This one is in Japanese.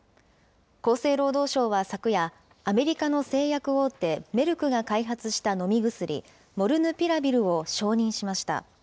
厚生労働省は昨夜、アメリカの製薬大手、メルクが開発した飲み薬、モルヌピラビルを承認しました。